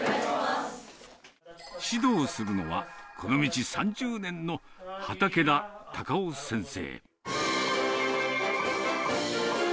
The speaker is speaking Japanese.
指導するのは、この道３０年の畠田貴生先生。